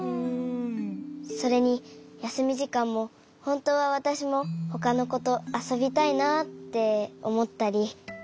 それにやすみじかんもほんとうはわたしもほかのことあそびたいなっておもったり。